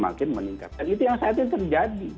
akan meningkat dan itu yang saya hati hati terjadi